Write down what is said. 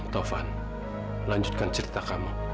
taufan lanjutkan cerita kamu